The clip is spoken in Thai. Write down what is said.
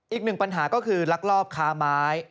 อีกหนึ่งปัญหาก็คือลักลอบค้าไม้